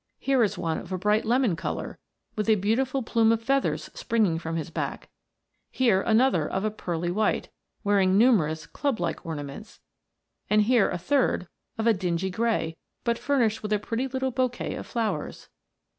Here is one of a bright lemon colour, with a beautiful plume of feathers springing from his back ; here another of a pearly white, wearing numerous club like ornaments ; and here a third, of a dingy grey, but furnished with a pretty little bouquet of flowers.